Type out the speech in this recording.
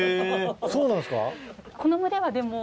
そうなんですか？